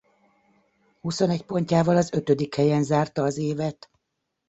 Huszonegy pontjával az ötödik helyen zárta az évet.